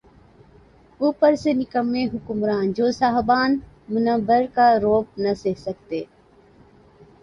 اوپر سے نکمّے حکمران‘ جو صاحبان منبر کا رعب نہ سہہ سکتے۔